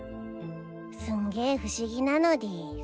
すんげい不思議なのでぃす。